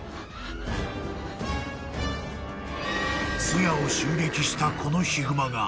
［通夜を襲撃したこのヒグマが］